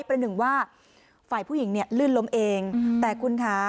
ประหนึ่งว่าฝ่ายผู้หญิงเนี่ยลื่นล้มเองแต่คุณคะ